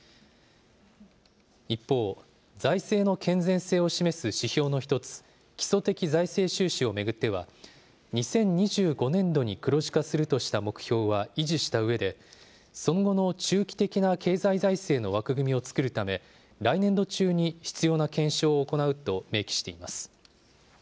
一方、財政の健全性を示す指標の一つ、基礎的財政収支を巡っては、２０２５年度に黒字化するとした目標は維持したうえで、その後の中期的な経済財政の枠組みを作るため、来年度中に必要な検証を行うと明記しています。